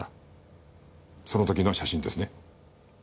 その時の写真ですね？